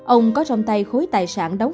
ông có trong tay khối tài sản đóng